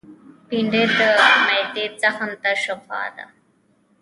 بېنډۍ د معدې زخم ته شفاء ده